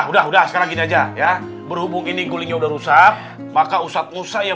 udah udah sekarang gini aja ya berhubung ini gulingnya udah rusak maka usat usa yang